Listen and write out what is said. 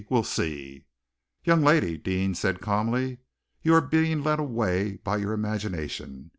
We'll see!" "Young lady," Deane said calmly, "you are being led away by your imagination.